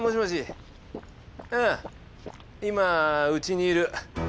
今うちにいる。